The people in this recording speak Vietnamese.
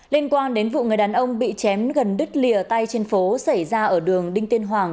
liên quan đến vụ người đàn ông bị chém gần đứt lìa tay trên phố xảy ra ở đường đinh tiên hoàng